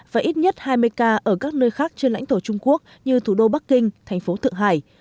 và ít nhất hai mươi ca ở các nơi khác trên lãnh thổ trung quốc như thủ đô bắc kinh thành phố thượng hải